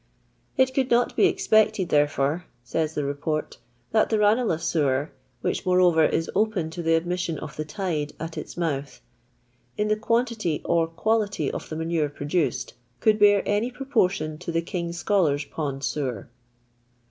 It could not be expected, therefero," sstji the Beport, " that the Banelagh Sewer (whi^ moreover, is open to the admission of tho tide at its mouth), in the quantity or quality of the no nure produced, could bear any proportion to the King's SchoUrs* Pond Sewer."